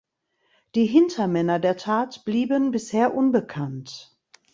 Die Hintermänner der Tat blieben bisher unbekannt.